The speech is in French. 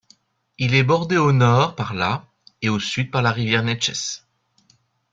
Il est bordé au nord par la et au sud par la rivière Neches.